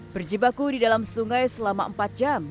berjibaku di dalam sungai selama empat jam